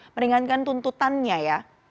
meringankan tuntutannya ya